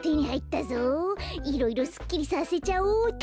いろいろすっきりさせちゃおうっと！